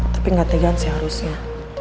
tapi gak tegan sih harusnya